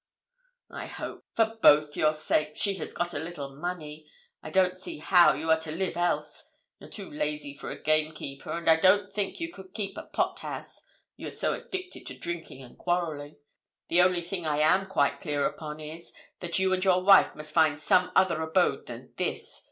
'I hope, for both your sakes, she has got a little money. I don't see how you are to live else. You're too lazy for a game keeper; and I don't think you could keep a pot house, you are so addicted to drinking and quarrelling. The only thing I am quite clear upon is, that you and your wife must find some other abode than this.